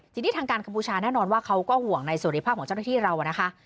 ทีนี้ทางการกัมพูชาแน่นอนว่าเขาก็ห่วงในสุริภาพของเจ้าหน้าที่เรานะคะ